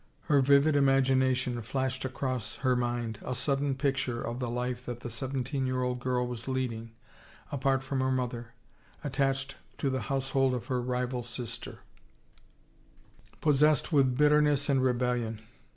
Her vivid imag ination flashed across her mind a sudden picture of the life that the seventeen year old girl was leading, apart from her mother, attached to the household of her rival sister, possessed with bitterness and rebellion.